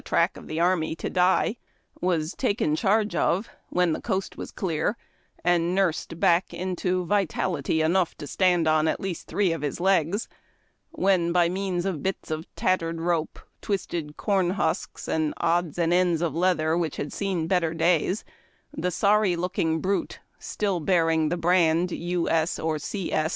track of the army to die, was taken charge of, when the coast was clear, and nursed back into vitality enough to stand on at least three of his legs, when, b}' means of bits of tattered rope, twisted corn husks, and odds and ends of leather which had seen better days, the sorry looking brute, still bearing the brand U. S. or C. S.